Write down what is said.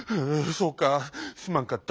そうかすまんかった。